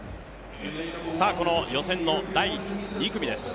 この予選の第２組です。